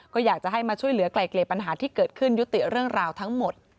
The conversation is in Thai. ก็อยากจะให้มาช่วยเหลือไกลเกลียดปัญหาที่เกิดขึ้นยุติเรื่องราวทั้งหมด